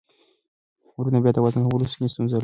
وروڼه بیا د وزن کمولو کې ستونزه لري.